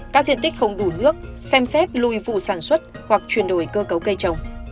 các diện tích không đủ nước xem xét lùi vụ sản xuất hoặc chuyển đổi cơ cấu cây trồng